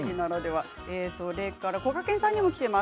それから、こがけんさんにもきています。